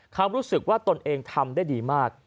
เขารู้สึกว่าตนเองทำได้ดีมาก